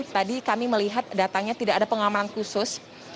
tadi kami melihat datangnya tidak ada pengamanan khusus